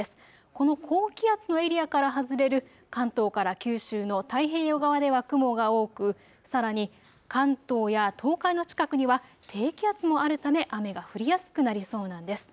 この高気圧のエリアから外れる関東から九州の太平洋側では雲が多くさらに関東や東海の近くには低気圧もあるため雨が降りやすくなりそうなんです。